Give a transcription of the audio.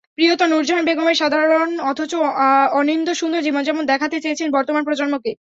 প্রিয়তা নূরজাহান বেগমের সাধারণ অথচ অনিন্দ্যসুন্দর জীবনযাপন দেখাতে চেয়েছেন বর্তমান প্রজন্মকে।